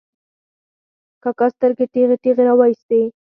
کاکا سترګې ټېغې ټېغې را وایستې.